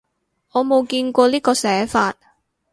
我冇見過呢個寫法